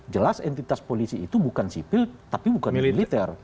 jelas entitas polisi itu bukan sipil tapi bukan militer